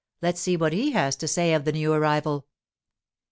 'Let's see what he has to say of the new arrival.